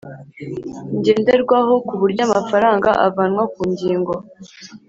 ngenderwaho ku buryo amafaranga avanwa ku ngingo